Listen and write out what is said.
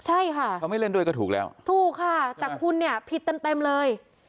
ใช่ค่ะเขาไม่เล่นด้วยก็ถูกแล้วถูกค่ะแต่คุณเนี่ยผิดเต็มเต็มเลย